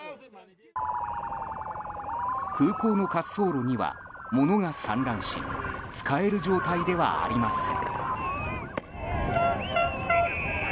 空港の滑走路には物が散乱し使える状態ではありません。